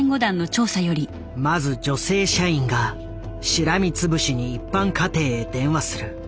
まず女性社員がしらみつぶしに一般家庭へ電話する。